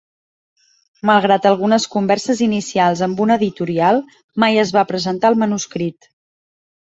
Malgrat algunes converses inicials amb una editorial, mai es va presentar el manuscrit.